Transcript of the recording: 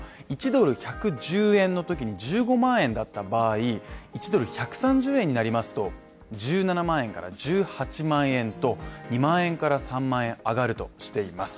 １ドル＝１１０円の時に１５万円だった場合、１ドル＝１３０円になりますと、１７万円から１８万円と２万円から３万円上がるとしています